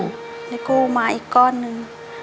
ค่ะพี่กู้มาอีกก้อนหนึ่ง